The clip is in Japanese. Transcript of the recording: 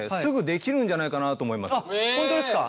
本当ですか。